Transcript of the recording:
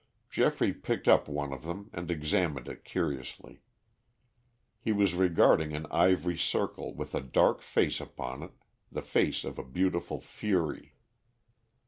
Geoffrey picked up one of them and examined it curiously. He was regarding an ivory circle with a dark face upon it, the face of a beautiful fury.